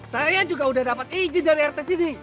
saya juga sudah dapat izin dari rt sini